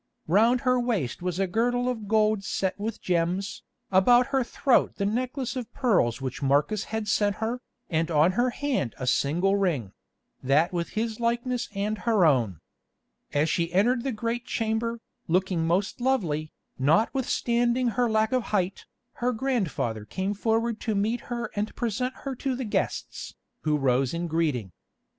Round her waist was a girdle of gold set with gems, about her throat the necklace of pearls which Marcus had sent her, and on her hand a single ring—that with his likeness and her own. As she entered the great chamber, looking most lovely, notwithstanding her lack of height, her grandfather came forward to meet her and present her to the guests, who rose in greeting.